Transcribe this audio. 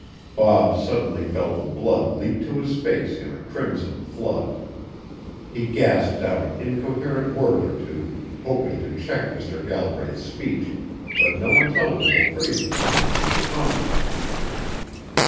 Bob suddenly felt the blood leap to his face in a crimson flood. He gasped out an incoherent word or two, hoping to check Mr. Galbraith's speech, but no intelligible phrases came to his tongue.